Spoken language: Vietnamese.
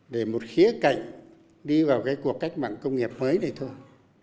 để một khía cạnh đi vào cái cuộc cách mạng công nghiệp mới này thôi